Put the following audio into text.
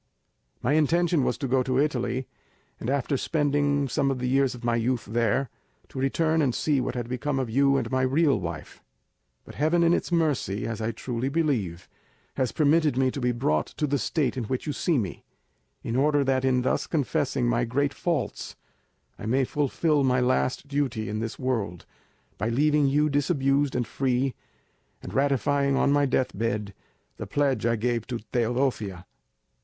My intention was to go to Italy, and after spending some of the years of my youth there, to return and see what had become of you and my real wife; but Heaven in its mercy, as I truly believe, has permitted me to be brought to the state in which you see me, in order that in thus confessing my great faults, I may fulfil my last duty in this world, by leaving you disabused and free, and ratifying on my deathbed the pledge I gave to Teodosia.